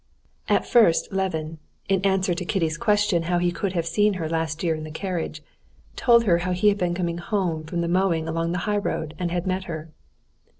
At first Levin, in answer to Kitty's question how he could have seen her last year in the carriage, told her how he had been coming home from the mowing along the highroad and had met her.